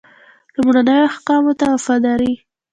لومړنیو احکامو ته وفاداري.